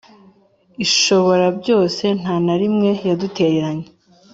Ishoborabyose nta na rimwe yadutererana